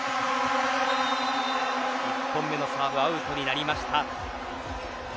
１本目のサーブはアウトになりました。